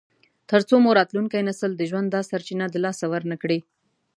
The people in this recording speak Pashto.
تر څو مو راتلونکی نسل د ژوند دا سرچینه د لاسه ورنکړي.